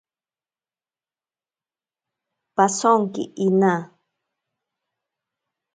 Pasonki ina.